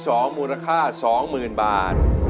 ร้องมูลค่า๒๐๐๐๐บาท